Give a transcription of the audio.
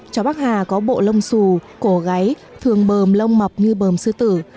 chó bắc hà có bộ lông xù cổ gáy thường bờm lông mọc như bờm sư tử